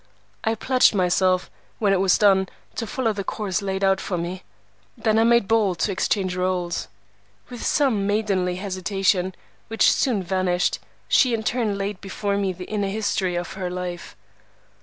I pledged myself, when it was done, to follow the course laid out for me. Then I made bold to exchange rôles. With some maidenly hesitation, which soon vanished, she in turn laid before me the inner history of her life.